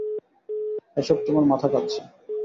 এসব তোমার মাথা খাচ্ছে।